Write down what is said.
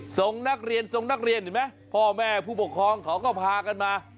ทรงนักเรียนเห็นไหมพ่อแม่ผู้ปกครองเขาก็พากันมา